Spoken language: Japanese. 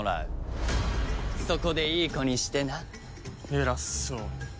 偉そうに。